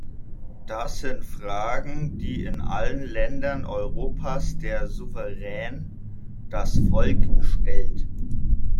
Das sind Fragen, die in allen Ländern Europas der Souverän, das Volk, stellt.